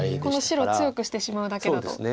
この白を強くしてしまうだけだと。